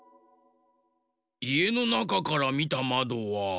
いえのなかからみたまどは？